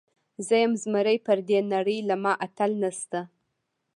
زه یم زمری، پر دې نړۍ له ما اتل نسته.